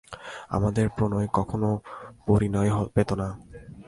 আমাদের প্রণয় কখনও পরিণয় পেত না।